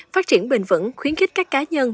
phát triển bền vững khuyến khích các cá nhân